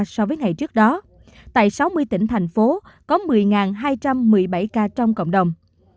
so với ngày trước đó tại sáu mươi tỉnh thành phố có một mươi hai trăm một mươi bảy ca trong cộng đồng